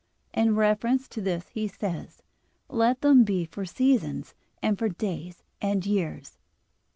In reference to this he says: "Let them be for seasons, and for days, and years."